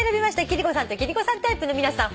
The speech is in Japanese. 貴理子さんと貴理子さんタイプの皆さん